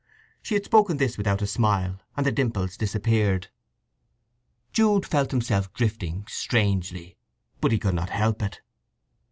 She had spoken this without a smile, and the dimples disappeared. Jude felt himself drifting strangely, but could not help it.